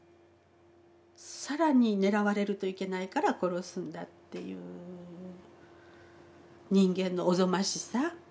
更に狙われるといけないから殺すんだっていう人間のおぞましさ。